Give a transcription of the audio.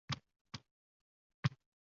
Nima dedi o`zi